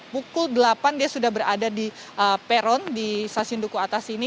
pukul delapan dia sudah berada di peron di stasiun duku atas ini